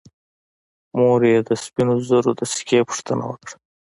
مور یې د سپینو زرو د سکې پوښتنه وکړه.